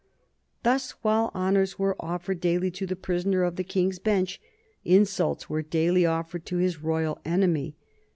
Thus, while honors were offered daily to the prisoner of the King's bench, insults were daily offered to his royal enemy.